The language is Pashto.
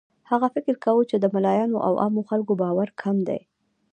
هغه فکر کاوه چې د ملایانو او عامو خلکو باور کم دی.